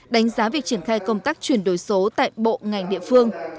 đánh giá việc triển khai công tác chuyển đổi số tại bộ ngành địa phương